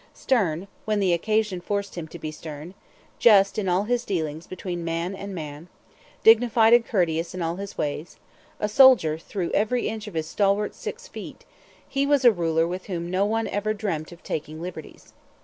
Stern, when the occasion forced him to be stern, just in all his dealings between man and man, dignified and courteous in all his ways, a soldier through every inch of his stalwart six feet, he was a ruler with whom no one ever dreamt of taking liberties.